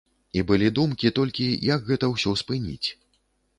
І былі думкі толькі, як гэта ўсё спыніць.